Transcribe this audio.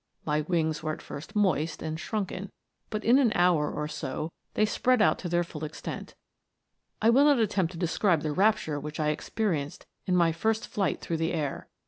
My wings were at first moist and shrunken, but in an hour or so they spread out to their full extent. I will not attempt to describe the rapture which I experienced in my first flight through the air.